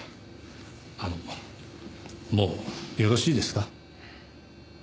あのもうよろしいですか？